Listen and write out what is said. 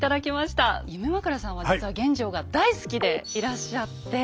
夢枕さんは実は玄奘が大好きでいらっしゃって。